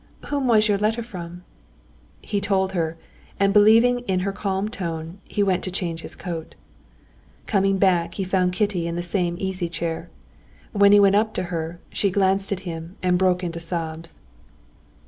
"Whom was your letter from?" He told her, and believing in her calm tone, he went to change his coat. Coming back, he found Kitty in the same easy chair. When he went up to her, she glanced at him and broke into sobs.